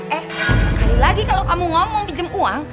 eh sekali lagi kalau kamu ngomong pinjam uang